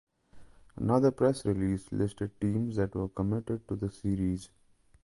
Another press release listed teams that were committed to the series.